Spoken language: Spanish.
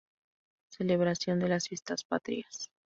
Celebración de las fiestas patrias.